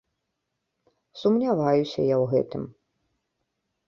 Сумняваюся я ў гэтым.